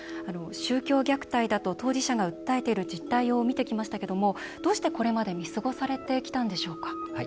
宗教虐待だと当事者が訴えている実態を見てきましたけどもどうして、これまで見過ごされてきたんでしょうか？